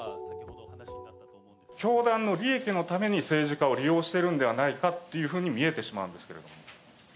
教団の利益のために政治家を利用しているんではないかっていうふうに見えてしまうんですけれども。